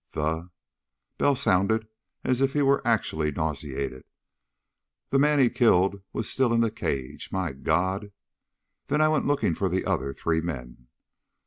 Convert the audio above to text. The" Bell sounded as if he were acutely nauseated "the man he'd killed was still in the cage. My God!... Then I went looking for the other three men.